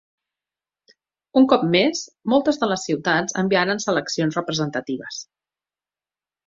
Un cop més, moltes de les ciutats enviaren seleccions representatives.